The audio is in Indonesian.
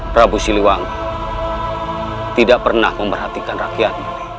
prabu siliwangi tidak pernah memerhatikan rakyat ini